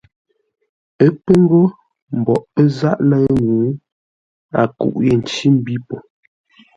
Ə́ pə̂ ńgó mboʼ pə́ záʼ lə̂ʉ ŋuu, a kûʼ yé ncí mbî po.